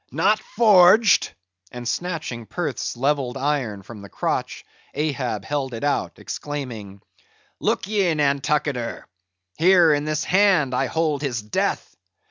"Not forged!" and snatching Perth's levelled iron from the crotch, Ahab held it out, exclaiming—"Look ye, Nantucketer; here in this hand I hold his death!